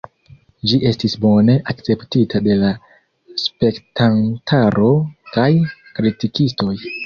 Ĝi estis bone akceptita de la spektantaro kaj kritikistoj.